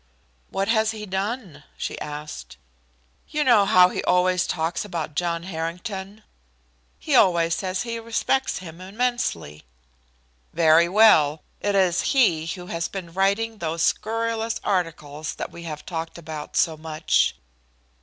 "What has he done?" she asked. "You know how he always talks about John Harrington?" "He always says he respects him immensely." "Very well. It is he who has been writing those scurrilous articles that we have talked about so much."